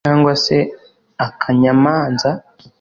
cyangwa se akanyamanza